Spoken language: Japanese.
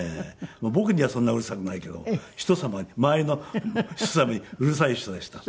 僕にはそんなうるさくないけど周りの人様にうるさい人でした。